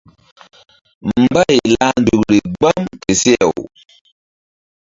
Mbay lah nzukri gbam ke seh-aw.